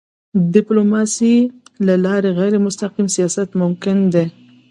د ډيپلوماسی له لارې غیرمستقیم سیاست ممکن دی.